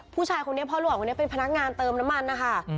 ผู้ชายคนนี้พ่อหลวงเป็นพนักงานเติมน้ำมันนะคะ